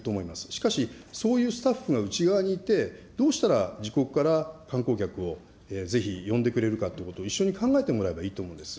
しかし、そういうスタッフが内側にいて、どうしたら自国から観光客をぜひ呼んでくれるかということを、一緒に考えてもらえばいいと思うんです。